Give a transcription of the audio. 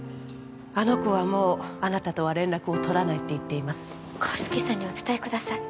あの子はもうあなたとは連絡を取らないって言っています康介さんにお伝えください